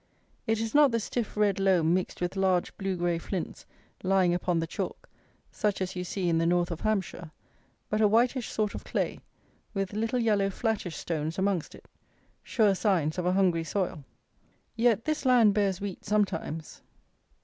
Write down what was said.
It is not the stiff red loam mixed with large blue grey flints, lying upon the chalk, such as you see in the north of Hampshire; but a whitish sort of clay, with little yellow flattish stones amongst it; sure signs of a hungry soil. Yet this land bears wheat sometimes.